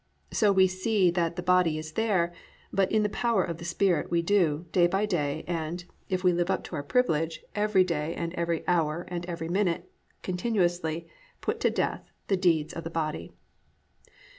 So we see that the body is there, but in the power of the Spirit we do, day by day and (if we live up to our privilege) every day and every hour and every minute, continuously "put to death the deeds of the body."